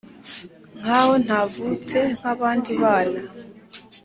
Nkaho ntavutse nkabandi bana